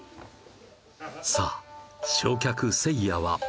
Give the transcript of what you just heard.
さあ正客せいやは？